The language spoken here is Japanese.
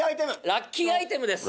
ラッキーアイテムです